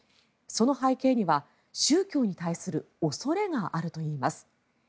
その背景には宗教に対する恐れがあるといいます。